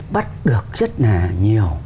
bắt được rất là nhiều